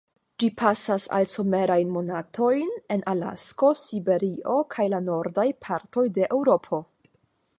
Ĝi pasas la somerajn monatojn en Alasko, Siberio, kaj la nordaj partoj de Eŭropo.